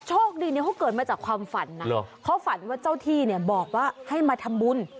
โชคดีเนี่ยเขาเกิดมาจากความฝันนะเขาฝันว่าเจ้าที่เนี่ยบอกว่าให้มาทำบุญ